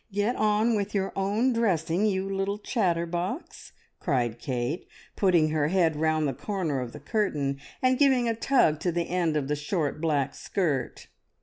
Get on with your own dressing, you little chatterbox!" cried Kate, putting her head round the corner of the curtain and giving a tug to the end of the short black skirt.